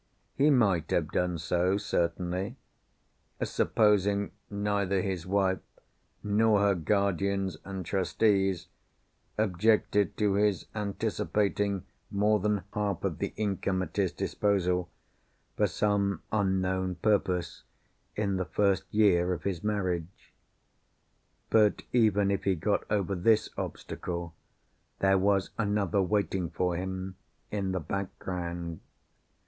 He might have done so certainly—supposing neither his wife, nor her guardians and trustees, objected to his anticipating more than half of the income at his disposal, for some unknown purpose, in the first year of his marriage. But even if he got over this obstacle, there was another waiting for him in the background.